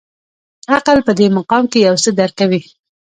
عقل په دې مقام کې یو څه درک کوي.